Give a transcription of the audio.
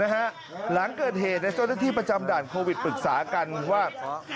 หลังเกิดเหตุเจ้าหน้าที่ประจำด่านโควิดปรึกษากันว่า